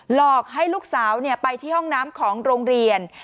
หลอกให้ลูกสาวไปที่ห้องน้ำของโรงเรียน